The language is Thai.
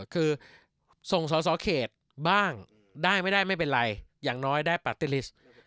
คือส่งเขตบ้างได้ไม่ได้ไม่เป็นไรอย่างน้อยได้ปัตติฤทธิ์